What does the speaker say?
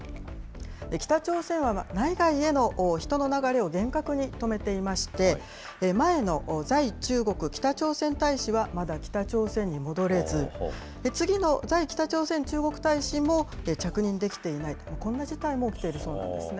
北朝鮮は内外への人の流れを厳格に止めていまして、前の在中国北朝鮮大使はまだ北朝鮮に戻れず、次の在北朝鮮中国大使も着任できていない、こんな事態も起きているそうなんですね。